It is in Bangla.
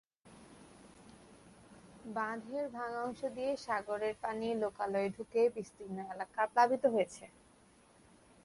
বাঁধের ভাঙা অংশ দিয়ে সাগরের পানি লোকালয়ে ঢুকে বিস্তীর্ণ এলাকা প্লাবিত হয়েছে।